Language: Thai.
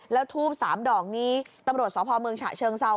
แล้วทูบ๓ดอกนี้ตำรวจสพเมืองฉะเชิงเซา